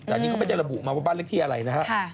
อันนี้เขาไประบุมาว่าบ้านเลขที่อะไรนะฮะ